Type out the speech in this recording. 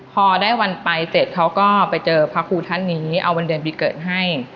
พอได้วันไปเสร็จเขาก็ไปเจอพระครูท่านนี้เอาวันเดือนปีเกิดให้